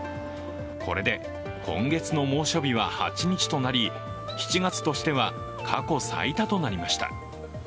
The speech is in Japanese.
これで今月の猛暑日は８日となり７月としては過去最多となりました